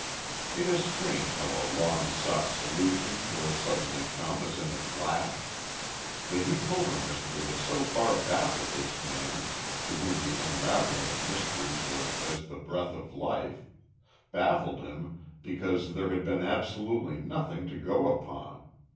It is strange how a long sought solution will suddenly come as in a flash. The Heath Hover mystery had so far baffled this man to whom the unravelling of mysteries was as the breath of life, baffled him because there had been absolutely nothing to go upon.